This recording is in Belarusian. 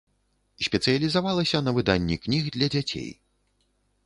Спецыялізавалася на выданні кніг для дзяцей.